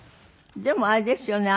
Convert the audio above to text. でもあれですよね。